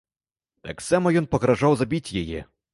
Таксама ён пагражаў забіць яе.